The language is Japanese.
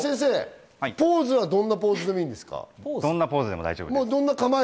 ポーズはどんなポーズでもい大丈夫です。